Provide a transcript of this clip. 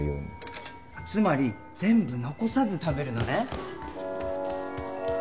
つまり全部残さず食べるのね。